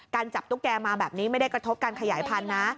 จับตุ๊กแกมาแบบนี้ไม่ได้กระทบการขยายพันธุ์นะ